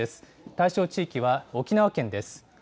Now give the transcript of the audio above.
対象地域は沖縄県です。